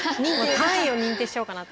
単位を認定しようかなって。